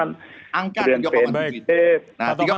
nah tiga komponen itu yang ada diuruskan